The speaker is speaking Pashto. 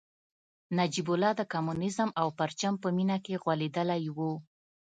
نجیب الله د کمونیزم او پرچم په مینه کې غولېدلی و